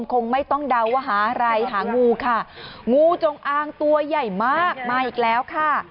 คงไม่ต้องเดาว่าหาอะไรหางูค่ะงูจงอางตัวใหญ่มากมาอีกแล้วค่ะ